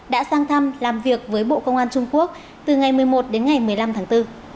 đã sang thăm làm việc với bộ công an trung quốc từ ngày một mươi một đến ngày một mươi năm tháng bốn